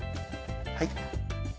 はい。